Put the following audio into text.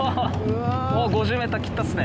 ５０ｍ切ったっすね